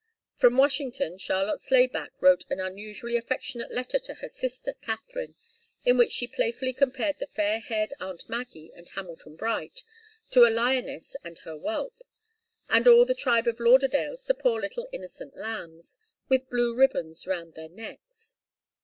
From Washington, Charlotte Slayback wrote an unusually affectionate letter to her sister Katharine, in which she playfully compared the fair haired aunt Maggie and Hamilton Bright to a lioness and her whelp, and all the tribe of Lauderdales to poor little innocent lambs with blue ribbons round their necks.